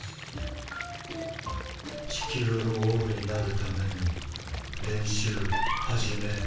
地球の王になるための練習始め。